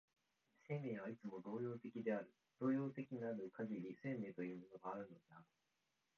生命はいつも動揺的である、動揺的なるかぎり生命というものがあるのである。